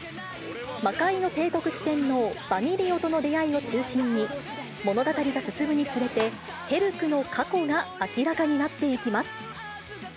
魔界の帝国四天王、ヴァミリオとの出会いを中心に、物語が進むにつれて、ヘルクの過去が明らかになっていきます。